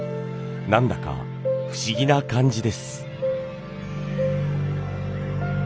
何だか不思議な感じです。